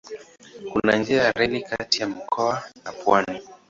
Kuna njia ya reli kati ya mkoa na pwani.